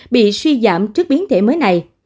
bị suy giảm trước biến thể mới này